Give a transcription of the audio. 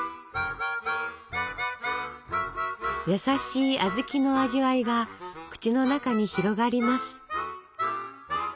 優しい小豆の味わいが口の中に広がります。